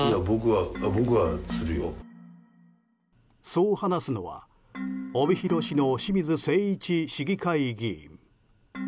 そう話すのは帯広市の清水誠一市議会議員。